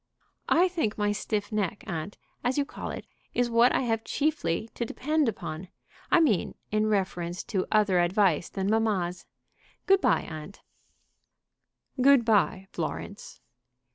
"I think my stiff neck, aunt, as you call it, is what I have chiefly to depend upon, I mean in reference to other advice than mamma's. Good bye, aunt." "Good bye, Florence."